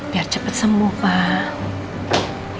biar cepet sembuh pak